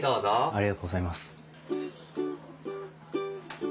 ありがとうございます。